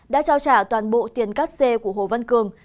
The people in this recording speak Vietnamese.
đã trao trả toàn bộ tiền cắt xê của hồ văn cường